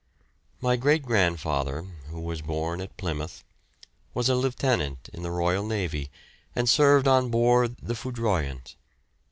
My great grandfather, who was born at Plymouth, was a Lieutenant in the Royal Navy and served on board the "Foudroyant."